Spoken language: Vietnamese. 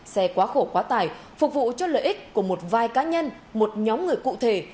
xe quá khổ quá tải phục vụ cho lợi ích của một vài cá nhân một nhóm người cụ thể